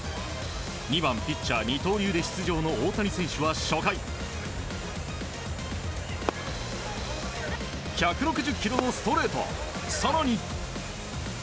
２番ピッチャー、二刀流で出場の大谷選手は初回１６０キロのストレート更に。